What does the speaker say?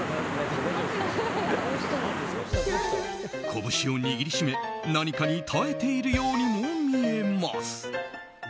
こぶしを握り締め、何かに耐えているようにも見えます。